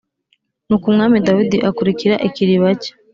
Nuko Umwami Dawidi akurikira ikiriba cye